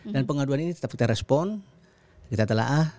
dan pengaduan ini tetap kita respon kita telah ah